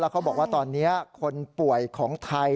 เขาบอกว่าตอนนี้คนป่วยของไทย